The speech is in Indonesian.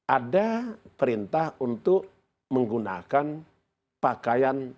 ada perintah untuk menggunakan pakaian